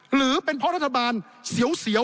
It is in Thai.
หรือเป็นเพราะรัฐบาลเสียว